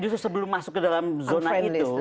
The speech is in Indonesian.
justru sebelum masuk ke dalam zona itu